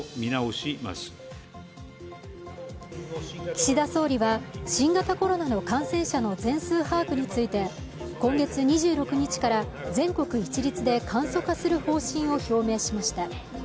岸田総理は、新型コロナの感染者の全数把握について今月２６日から全国一律で簡素化する方針を表明しました。